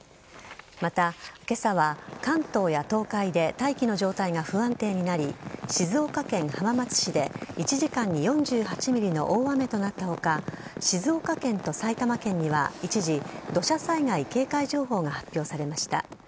また、今朝は関東や東海で大気の状態が不安定になり静岡県浜松市で１時間に４８ｍｍの大雨となった他静岡県と埼玉県には一時土砂災害警戒情報が発表されました。